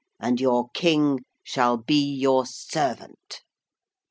And your King shall be your servant!'